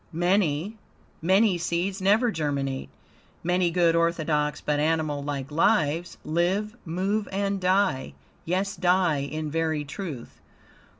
Many, many seeds never germinate. Many good orthodox, but animal like lives, live, move, and die, yes, die in very truth.